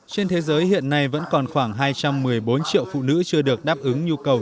trên thế giới hiện nay vẫn còn khoảng hai trăm một mươi bốn triệu phụ nữ chưa được đáp ứng nhu cầu